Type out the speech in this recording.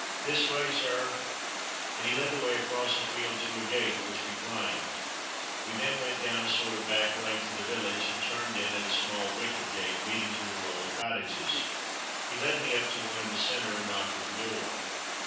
"This way, Sir!" and he led the way across a field to a gate, which we climbed. We then went down a sort of back lane to the village, and turned in at a small wicket gate leading to a row of cottages. He led me up to one in the centre, and knocked at the door.